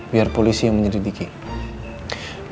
biar polisi yang menyedih dikit